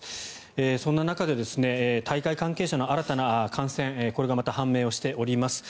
そんな中で大会関係者の新たな感染これがまた判明しております。